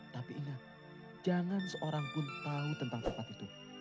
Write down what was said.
tapi ingat jangan seorang pun tahu tentang zakat itu